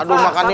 aduh makan nih